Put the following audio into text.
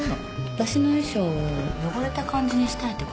私の衣装汚れた感じにしたいって。